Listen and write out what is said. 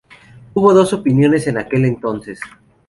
Hubo dos opiniones en aquel entonces.